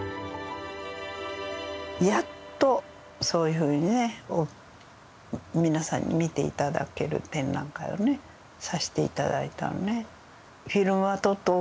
やっとそういうふうにね皆さんに見て頂ける展覧会をねさせて頂いたのね。